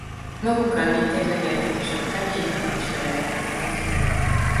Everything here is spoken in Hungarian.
Magukkal vitték legértékesebb tárgyaikat és levéltárukat.